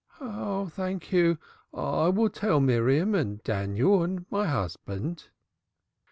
"Thank you. I will tell Miriam and Daniel and my husband."